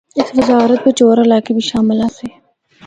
اس وزارت بچ ہور علاقے بھی شامل آسے۔